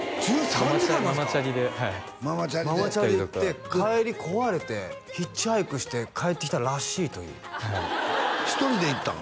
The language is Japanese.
ママチャリママチャリではいママチャリでママチャリで行って帰り壊れてヒッチハイクして帰ってきたらしいというはい１人で行ったの？